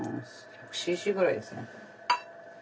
１００ｃｃぐらいですね。